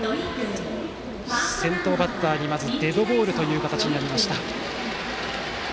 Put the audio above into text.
先頭バッターに、まずデッドボールという形になりました。